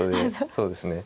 そうですね。